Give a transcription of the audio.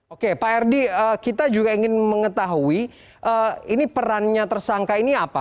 oke pak erdi kita juga ingin mengetahui ini perannya tersangka ini apa